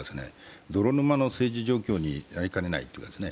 泥沼の政治状況になりかねないというか。